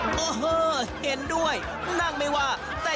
เจ็บเข้าแล้วแม่